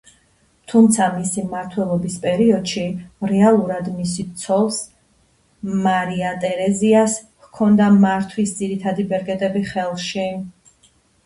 თუმცა მისი მმართველობის პერიოდში რეალურად მისი ცოლს, მარია ტერეზიას, ჰქონდა მართვის ძირითადი ბერკეტები ხელში.